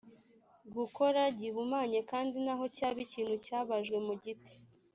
gukora gihumanye kandi naho cyaba ikintu cyabajwe mu giti